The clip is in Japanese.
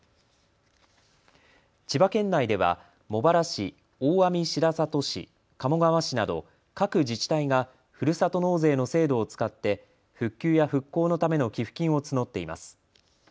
千葉県内では茂原市、大網白里市、鴨川市など各自治体がふるさと納税の制度を使って復旧や復興のための寄付金を募っています。